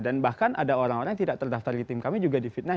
dan bahkan ada orang orang yang tidak terdaftar di tim kami juga di fitnah